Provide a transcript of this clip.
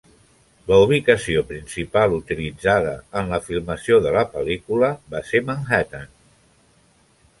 La ubicació principal utilitzada en la filmació de la pel·lícula va ser Manhattan.